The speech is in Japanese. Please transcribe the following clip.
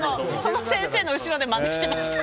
先生の後ろでまねしてました。